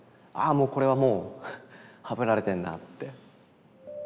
もうこれはもうはぶられてんなって。